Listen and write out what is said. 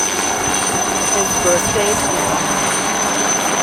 His birthdate is unknown.